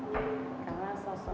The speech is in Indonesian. jadi kecil itu saya inget betul